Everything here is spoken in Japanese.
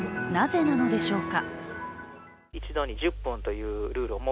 なぜなのでしょうか。